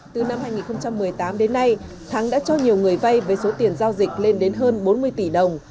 từ năm hai nghìn một mươi tám đến nay thắng đã cho nhiều người vay với số tiền giao dịch lên đến hơn bốn mươi tỷ đồng